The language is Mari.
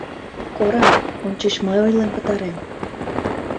Кораҥ, ончыч мый ойлен пытарем!